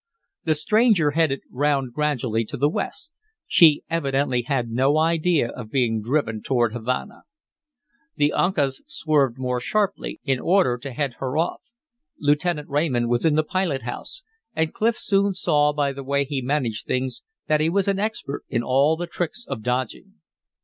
The stranger headed round gradually to the west. She evidently had no idea of being driven toward Havana. The Uncas swerved more sharply, in order to head her off. Lieutenant Raymond was in the pilot house, and Clif soon saw by the way he managed things that he was an expert in all the tricks of dodging.